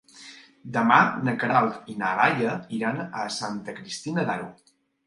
Demà na Queralt i na Laia iran a Santa Cristina d'Aro.